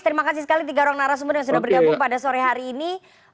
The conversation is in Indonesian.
terima kasih sekali tiga orang narasumber yang sudah bergabung pada sore hari ini